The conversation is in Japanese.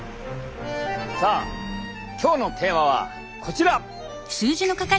さあ今日のテーマはこちら。